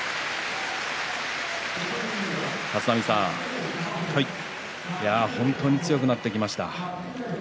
立浪さん、本当に強くなってきました。